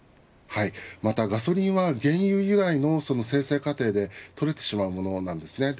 またガソリンは原油由来の生成過程で取れてしまうものです。